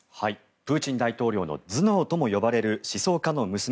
プーチン大統領の頭脳とも呼ばれる思想家の娘。